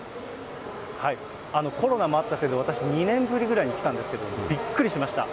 コロナもあったせいで、私、２年ぶりぐらいに来たんですけど、びっくりしました。